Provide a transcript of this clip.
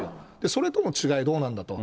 それとの違い、どうなんだと。